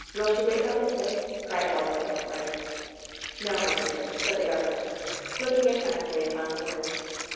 Will she wake up in fits?" cried Elva, in fright. "No, my dear," said the governess, looking attentively upon the woman.